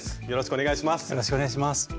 よろしくお願いします。